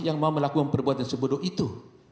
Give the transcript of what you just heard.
yang mau melakukan perbuatan sebodoh itu